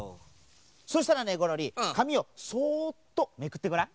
そしたらねゴロリかみをそうっとめくってごらん。